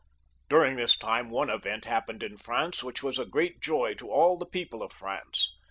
During this time one ^vent happened in France which was jLgreat joy to all the people of France.